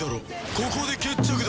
ここで決着だ！